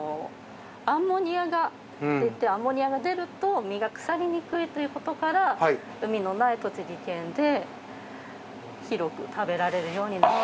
アンモニアが出てアンモニアが出ると身が腐りにくいということから海のない栃木県で広く食べられるようになった。